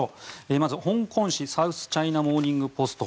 まず香港紙、サウスチャイナ・モーニング・ポスト